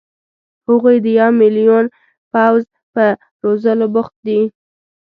هغوی د یو ملیون پوځ په روزلو بوخت دي.